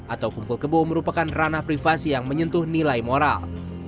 atau kumpul kebo merupakan ranah privasi yang menyentuh nilai moral